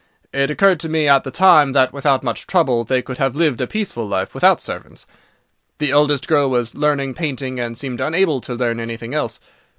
It occurred to me at the time, that without much trouble, they could have lived a peaceful life without servants. The eldest girl was learning painting—and seemed unable to learn anything else.